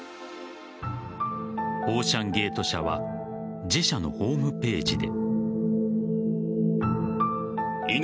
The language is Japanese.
オーシャンゲート社は自社のホームページで。